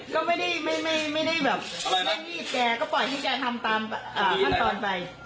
ก็ไม่ได้รีบแกปล่อยให้แกทำตามขั้นตอนไป